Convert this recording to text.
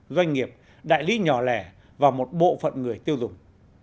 doanh nghiệp đại lý nhỏ lẻ và một bộ phận người tiêu dùng